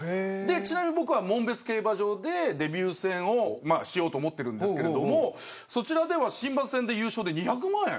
ちなみに僕は門別競馬場でデビュー戦をしようと思っているんですけどそちらでは、新馬戦の優勝で２００万円。